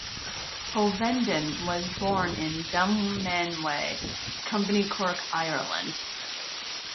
Hovenden was born in Dunmanway, Company Cork, Ireland.